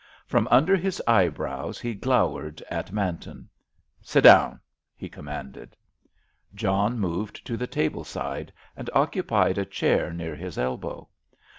From under his eyebrows he glowered at Manton. "Sit down," he commanded. John moved to the table side and occupied a chair near his elbow.